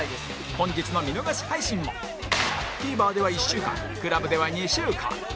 本日の見逃し配信も ＴＶｅｒ では１週間 ＣＬＵＢ では２週間